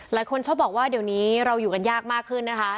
หลายคนชอบบอกว่าเดี๋ยวนี้เราอยู่กันยากมากขึ้นนะคะ